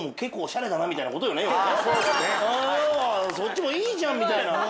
ああそっちもいいじゃんみたいな。